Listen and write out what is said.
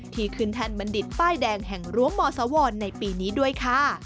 ที่ขึ้นแท่นบัณฑิตป้ายแดงแห่งรั้วมสวรในปีนี้ด้วยค่ะ